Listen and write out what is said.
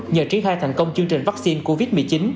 nhờ triển khai thành công chương trình vaccine covid một mươi chín